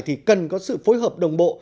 thì cần có sự phối hợp đồng bộ